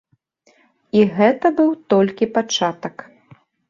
І гэта быў толькі пачатак.